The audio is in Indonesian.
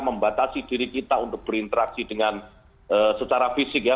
membatasi diri kita untuk berinteraksi dengan secara fisik ya